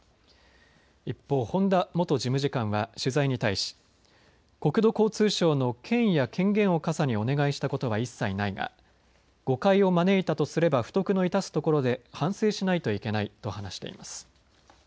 一方、本田元事務次官は取材に対し国土交通省の権威や権限をかさにお願いしたことは一切ないが誤解を招いたとすれば不徳の致すところで反省しないといけないと話しています。